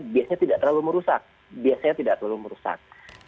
biasanya tidak terlalu merusak biasanya tidak terlalu merusak